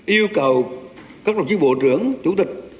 yêu cầu các đồng chí bộ trưởng chủ tịch